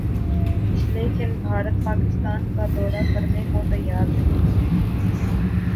لیکن بھارت پاکستان کا دورہ کرنے کو تیار نہیں